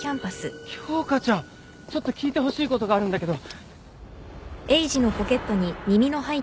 ちょっと聞いてほしいことがあるんだけど